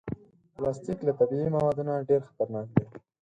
پلاستيک له طبعي موادو نه ډېر خطرناک دی.